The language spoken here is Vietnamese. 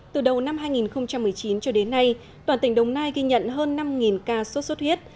từ đầu năm hai nghìn một mươi chín cho đến nay toàn tỉnh đồng nai ghi nhận hơn năm ca sốt xuất huyết